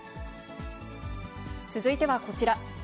続いてはこちら。